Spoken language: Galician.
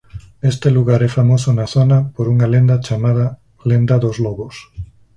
Este lugar é famoso na zona por unha lenda chamada "lenda dos lobos".